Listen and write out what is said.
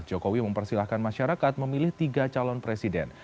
jokowi mempersilahkan masyarakat memilih tiga calon presiden